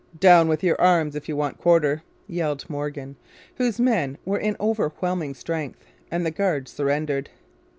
'Down with your arms if you want quarter!' yelled Morgan, whose men were in overwhelming strength; and the guard surrendered.